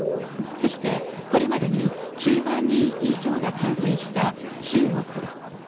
そして、これまでに９万人以上が感染した中国。